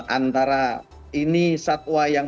antara ini satwa yang